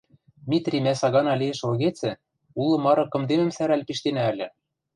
Митри мӓ сагана лиэш ылгецӹ, улы мары кымдемӹм сӓрӓл пиштенӓ ыльы!